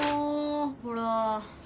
ほら。